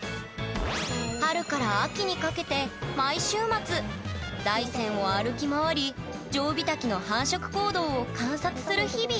春から秋にかけて毎週末大山を歩き回りジョウビタキの繁殖行動を観察する日々。